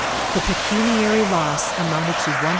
The pecuniary loss amounted to $150,000.